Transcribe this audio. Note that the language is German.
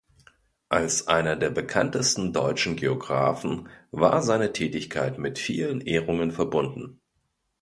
Als einer der bekanntesten deutschen Geographen war seine Tätigkeit mit vielen Ehrungen verbunden.